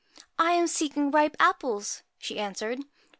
I am seeking ripe apples,' she answered.